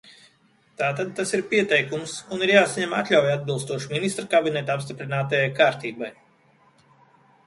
Tātad tas ir pieteikums, un ir jāsaņem atļauja atbilstoši Ministru kabineta apstiprinātajai kārtībai.